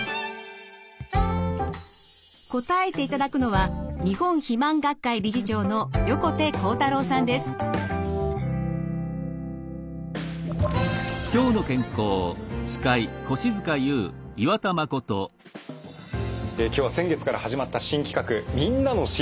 答えていただくのは今日は先月から始まった新企画みんなの「知りたい！」です。